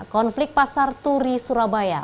konflik pasar turi surabaya